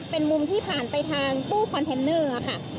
เป็นมุมที่ผ่านไปทางตู้คอนเทนเนอร์ค่ะ